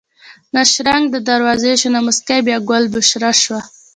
نه شرنګ د دروازې شو نه موسکۍ بیا ګل بشره شوه